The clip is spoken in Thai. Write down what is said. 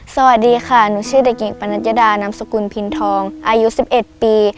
สวัสดีค่ะหนูชื่อเด็กหญิงปรณัชยดานามสกุลพิณธองอายุสิบเอ็ดปี